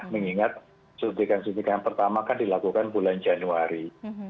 mengingat suntikan suntikan pertama kan dilakukan bulan januari